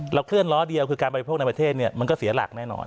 เคลื่อล้อเดียวคือการบริโภคในประเทศมันก็เสียหลักแน่นอน